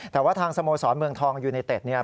แต่ว่าทางสโมสรเมืองทองยูเนเต็ดเนี่ย